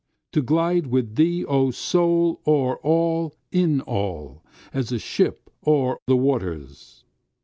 To glide with thee, O Soul, o'er all, in all, as a ship o'er the waters!